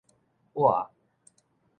倚